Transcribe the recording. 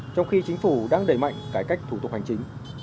trong khi chính phủ đang đẩy mạnh cải cách thủ tục hành chính